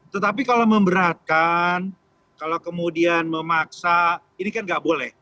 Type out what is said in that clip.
tetapi kalau memberatkan kalau kemudian memaksa ini kan nggak boleh